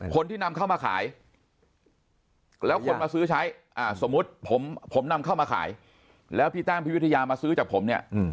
คนที่นำเข้ามาขายแล้วคนมาซื้อใช้สมมุติผมนำเข้ามาขายแล้วพี่แต้มพี่วิทยามาซื้อจากผมเนี่ย